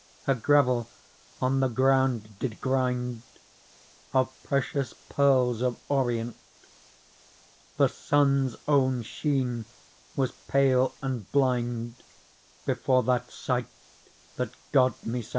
A gravel on the ground did grind Of precious pearls of orient : The sun's own sheen was pale and blind Before that sight that God me sent.